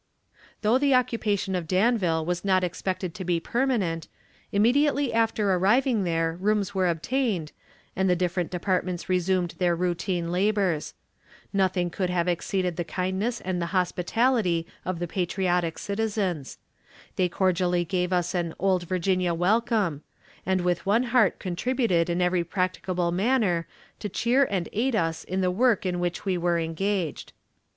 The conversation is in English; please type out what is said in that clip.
Though the occupation of Danville was not expected to be permanent, immediately after arriving there rooms were obtained, and the different departments resumed their routine labors. Nothing could have exceeded the kindness and hospitality of the patriotic citizens. They cordially gave as an "Old Virginia welcome," and with one heart contributed in every practicable manner to cheer and aid us in the work in which we were engaged.